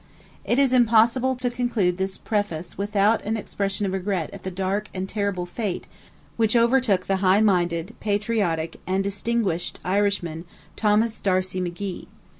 It is impossible to conclude this Preface without an expression of regret at the dark and terrible fate which overtook the high minded, patriotic, and distinguished Irishman, Thomas D'Arcy McGee.